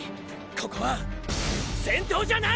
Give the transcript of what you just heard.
ここはーー先頭じゃない！！